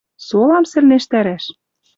Солам сӹлнештӓрӓш?